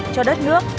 cho đất nước